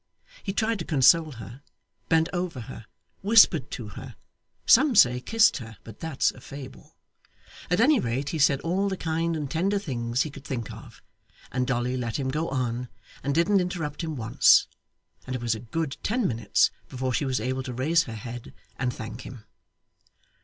He tried to console her, bent over her, whispered to her some say kissed her, but that's a fable. At any rate he said all the kind and tender things he could think of and Dolly let him go on and didn't interrupt him once, and it was a good ten minutes before she was able to raise her head and thank him.